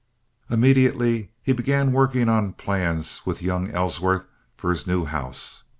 Immediately he began working on plans with young Ellsworth for his new house.